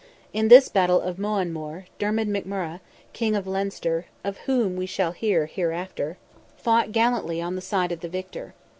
In this battle of Moanmore, Dermid McMurrogh, King of Leinster, of whom we shall hear hereafter, fought gallantly on the side of the victor.